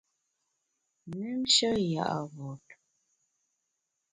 Mümnshe ya’ vot.